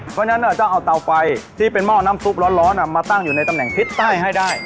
เพราะฉะนั้นต้องเอาเตาไฟที่เป็นหม้อน้ำซุปร้อนมาตั้งอยู่ในตำแหน่งทิศใต้ให้ได้